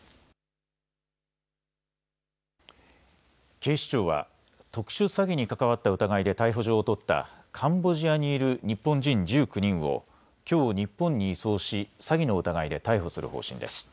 警視庁は特殊詐欺に関わった疑いで逮捕状を取ったカンボジアにいる日本人１９人をきょう日本に移送し詐欺の疑いで逮捕する方針です。